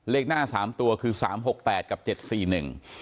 เลขหน้าสามตัวคือสามหกแปดกับเจ็ดสี่หนึ่ง